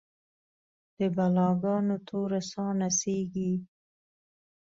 د بلا ګانو توره ساه نڅیږې